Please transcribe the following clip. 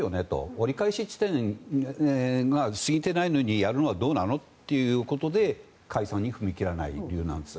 折り返し地点が過ぎていないのにやるのはどうなのということで解散に踏み切らないようなんです。